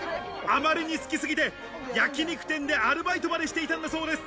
あまりに好きすぎて焼肉店でアルバイトまでしていたんだそうです。